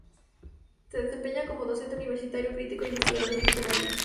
Se desempeña como docente universitario, crítico e investigador literario.